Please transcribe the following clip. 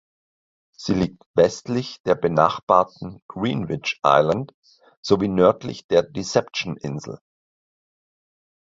Sie liegt westlich der benachbarten Greenwich Island sowie nördlich der Deception-Insel.